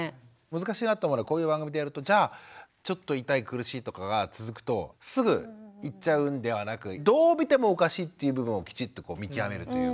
難しいなぁと思うのはこういう番組でやるとじゃあちょっと痛い苦しいとかが続くとすぐ行っちゃうんではなくどう見てもおかしいっていう部分をきちんと見極めるというか。